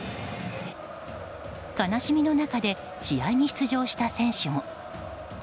悲しみの中で試合に出場した選手も。